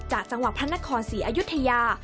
จังหวัดพระนครศรีอยุธยา